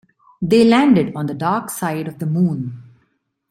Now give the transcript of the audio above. They landed on the dark side of the moon.